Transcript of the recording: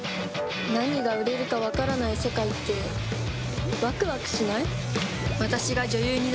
何か何が売れるか分からない世界って、ワクワクしない？